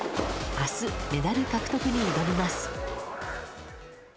あす、メダル獲得に挑みます。